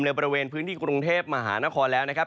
บริเวณพื้นที่กรุงเทพมหานครแล้วนะครับ